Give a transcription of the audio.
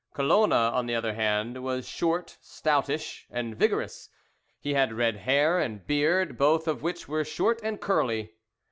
Colona, on the other hand, was short, stoutish, and vigorous; he had red hair and beard, both of which wore short and curly.